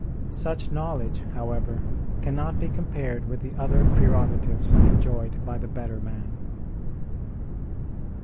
Such knowledge, however, cannot be compared with the other prerogatives enjoyed by the better man.